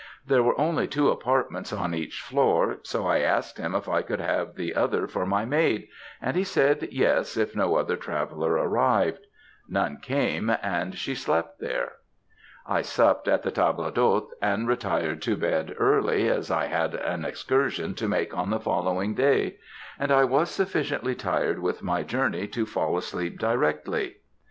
There were only two apartments on each floor; so I asked him if I could have the other for my maid, and he said yes, if no other traveller arrived. None came, and she slept there. "I supped at the table d'hôte, and retired to bed early, as I had an excursion to make on the following day; and I was sufficiently tired with my journey to fall asleep directly.